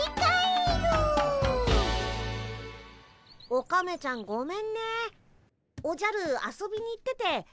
オカメちゃんごめんねおじゃる遊びに行ってて。